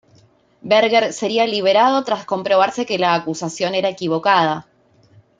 Berger sería liberado tras comprobarse que la acusación era equivocada.